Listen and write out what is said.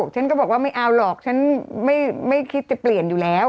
ฉันก็บอกว่าไม่เอาหรอกฉันไม่คิดจะเปลี่ยนอยู่แล้ว